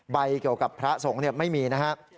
เกี่ยวกับพระสงฆ์ไม่มีนะครับ